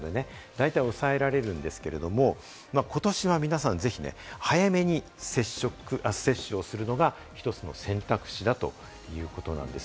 大体抑えられるんですけれども、ことしは皆さんね早めに接種をするのが１つの選択肢だということなんです。